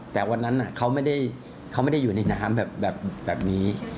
แต่วันนั้นเขาไม่ได้อยู่ในน้ำแบบนี้